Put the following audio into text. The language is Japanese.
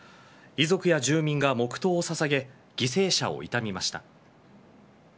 遺族や住民が黙とうをささげ犠牲者を悼みました。